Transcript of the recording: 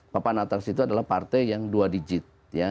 papan atas itu adalah partai yang dua digit